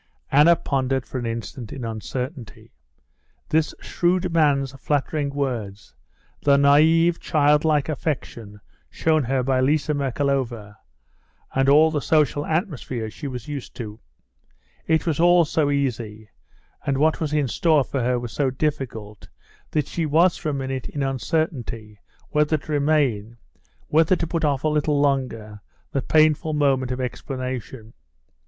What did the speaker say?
Anna pondered for an instant in uncertainty. This shrewd man's flattering words, the naïve, childlike affection shown her by Liza Merkalova, and all the social atmosphere she was used to,—it was all so easy, and what was in store for her was so difficult, that she was for a minute in uncertainty whether to remain, whether to put off a little longer the painful moment of explanation.